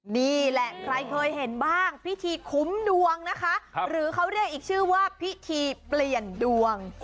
นี่แหละใครเคยเห็นบ้างพิธีคุ้มดวงนะคะหรือเขาเรียกอีกชื่อว่าพิธีเปลี่ยนดวง